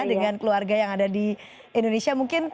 dengan keluarga yang ada di indonesia mungkin